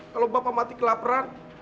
kalo bapak mati kelaperan